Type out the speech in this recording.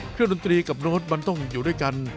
เครื่องดนตรีกับรถมันต้องอยู่ด้วยกัน